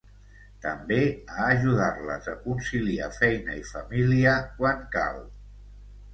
També a ajudar-les a conciliar feina i família quan cal.